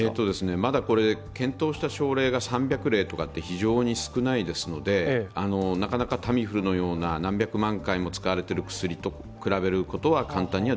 まだ検討した症例が３００例と非常に少ないのでなかなかタミフルのような何百万回と使われている薬と比較することは簡単には。